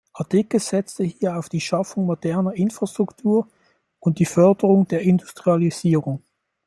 Adickes setzte hier auf die Schaffung moderner Infrastruktur und die Förderung der Industrialisierung.